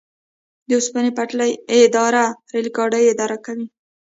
د اوسپنې پټلۍ اداره ریل ګاډي اداره کوي